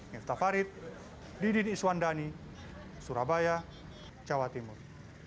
mirta farid didi niswandani surabaya jawa timur